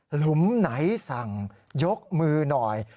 หลุมไหนสั่งยกมือหน่อย